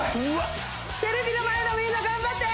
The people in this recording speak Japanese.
テレビの前のみんな頑張って！